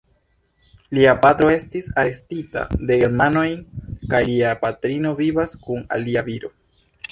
Lia patro estis arestita de Germanoj kaj lia patrino vivas kun alia viro.